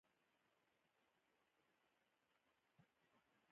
د مخامخ خبرو ګټه او زیان